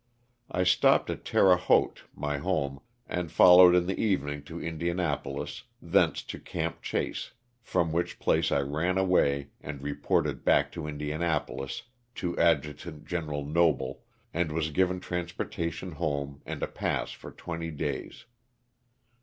I stopped at Terre Haute, my home, and followed in the evening to Indianapolis, thence to ''Camp Chase," from which place I ran away and reported back to Indianapolis to Adjt. Gen. Noble, and was given transportation home and a pass for twenty days.